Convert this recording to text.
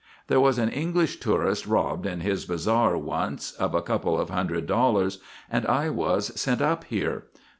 "There was an English tourist robbed in his bazaar once of a couple of hundred dollars and I was sent up here.